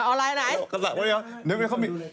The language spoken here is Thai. ออนไลน์ไหนกษัตริย์พราหมณ์นึกไม่เข้ามี